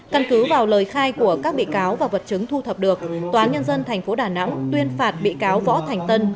căn cứ vào lời khai của các bị cáo và vật chứng thu thập được tòa án nhân dân tp đà nẵng tuyên phạt bị cáo võ thành tân